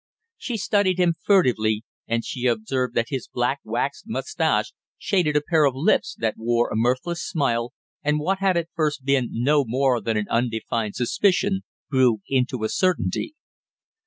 She studied him furtively, and she observed that his black waxed mustache shaded a pair of lips that wore a mirthless smile, and what had at first been no more than an undefined suspicion grew into a certainty.